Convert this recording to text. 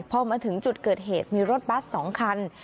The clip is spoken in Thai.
พอมาถึงจุดเกิดเหตุมีรถบัส๒คัน